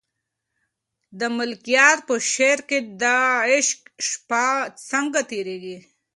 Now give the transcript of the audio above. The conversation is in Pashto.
د ملکیار په شعر کې د عشق شپه څنګه تېرېږي؟